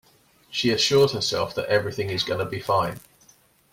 She assured herself that everything is gonna be fine.